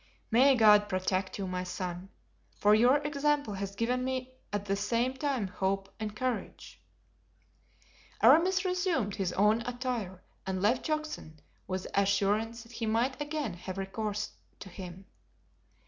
"May God protect you, my son; for your example has given me at the same time hope and courage." Aramis resumed his own attire and left Juxon with the assurance that he might again have recourse to him.